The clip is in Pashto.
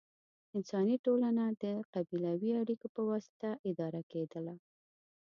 انساني ټولنه د قبیلوي اړیکو په واسطه اداره کېدله.